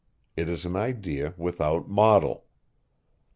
It is an idea without model.